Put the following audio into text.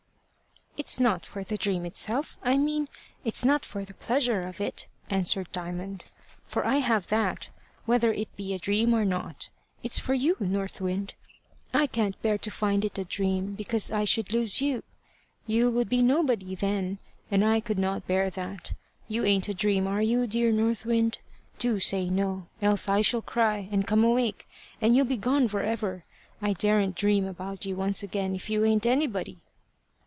"It's not for the dream itself I mean, it's not for the pleasure of it," answered Diamond, "for I have that, whether it be a dream or not; it's for you, North Wind; I can't bear to find it a dream, because then I should lose you. You would be nobody then, and I could not bear that. You ain't a dream, are you, dear North Wind? Do say No, else I shall cry, and come awake, and you'll be gone for ever. I daren't dream about you once again if you ain't anybody."